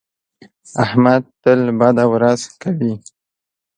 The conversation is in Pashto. احمد تل بده ورځ کوي.